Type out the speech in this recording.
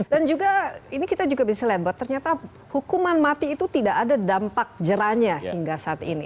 dan juga ini kita juga bisa lihat ternyata hukuman mati itu tidak ada dampak jeranya hingga saat ini